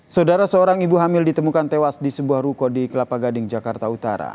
saudara seorang ibu hamil ditemukan tewas di sebuah ruko di kelapa gading jakarta utara